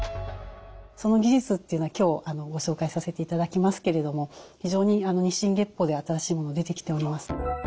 その技術っていうのは今日ご紹介させていただきますけれども非常に日進月歩で新しいもの出てきております。